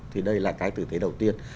thì đây là cái tử tế đầu tiên